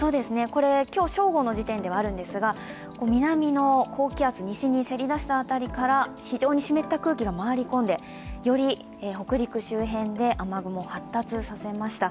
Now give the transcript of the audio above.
これ、今日正午の時点なんですが南の高気圧、西にせり出した辺りから非常に湿った空気が回り込んでより北陸周辺で雨雲、発達させました。